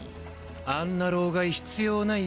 あんな老害必要ないよ。